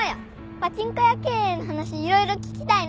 パチンコ屋経営の話色々聞きたいな！